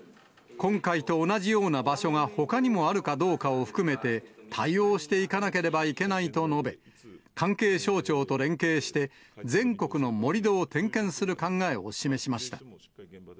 今回と同じような場所がほかにもあるかどうかを含めて対応していかなければいけないと述べ、関係省庁と連携して、全国の盛り土を点検する考えを示しました。